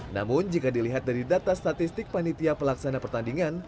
namun jika dilihat dari data statistik panitia pelaksana pertandingan